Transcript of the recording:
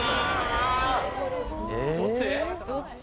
どっち？